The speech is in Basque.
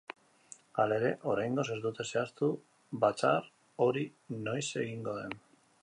Hala ere, oraingoz ez dute zehaztu batzar hori noiz egingo den.